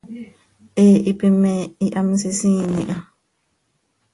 He hipi me hihamsisiin iha.